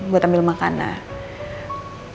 buat ambil makanan